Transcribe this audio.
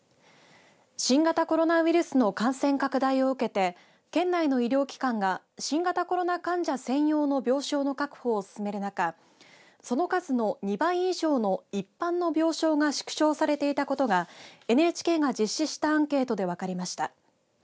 新型コロナウイルスの感染拡大を受けて県内の医療機関が新型コロナ患者専用の病床の確保を進める中その数の２倍以上の一般の病床が縮小されていたことがＮＨＫが実施したアンケートで分かりました。